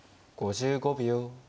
５５秒。